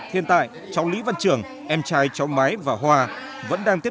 hiện tại cháu lý văn vừa đã tử vong